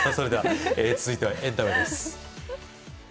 続いてはエンタメです。